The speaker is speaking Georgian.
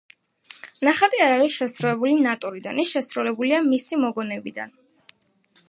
ნახატი არ არის შესრულებული ნატურიდან, ის შესრულებულია მისი მოგონებიდან.